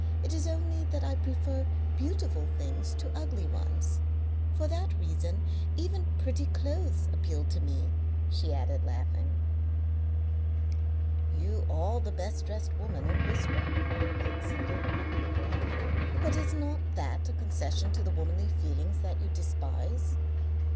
It is only that I prefer beautiful things to ugly ones. For that reason even pretty clothes appeal to me," she added, laughing. "You are the best dressed woman in Biskra," he acceded. "But is not that a concession to the womanly feelings that you despise?"